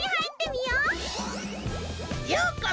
ようこそ！